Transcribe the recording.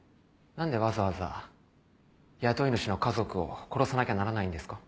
何でわざわざ雇い主の家族を殺さなきゃならないんですか？